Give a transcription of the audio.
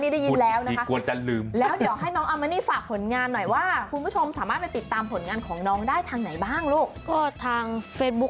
เดี๋ยวคุณคะอาจารย์เขาพูดหมดแล้วเซาได้ยินแล้วน้องอัมานิได้ยินแล้ว